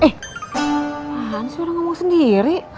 eh apaan suara ngomong sendiri